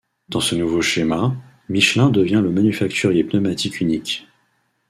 Dans ce nouveau schéma, Michelin devient le manufacturier pneumatique unique.